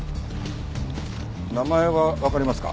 名前はわかりますか？